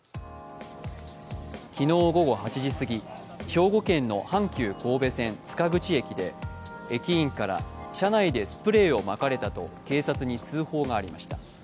昨日午後８時過ぎ、兵庫県の阪急神戸線・塚口駅で駅員から、車内でスプレーをまかれたと警察に通報がありました。